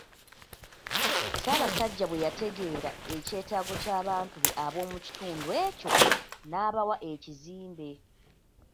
Ssaabasajja bwe yategeera ekyetaago ky'abantu be ab'omu kitundu ekyo, n'abawa ekizimbe.